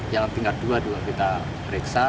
yang tingkat dua juga kita periksa